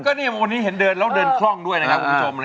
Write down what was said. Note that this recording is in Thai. ก็นี่มันนี่เห็นเดินแล้วเดินคล่องด้วยนะครับ